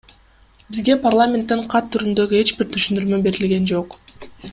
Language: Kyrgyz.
Бизге парламенттен кат түрүндөгү эч бир түшүндүрмө берилген жок.